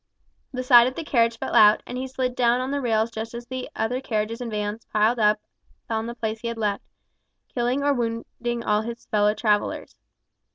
The side of the carriage fell out, and he slid down on the rails just as the other carriages and vans piled up on the place he had left, killing or wounding all his fellow travellers.